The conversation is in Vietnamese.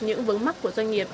những vấn mắc của doanh nghiệp